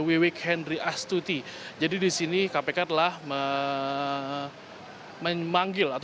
wiwik henry astuti jadi di sini kpk telah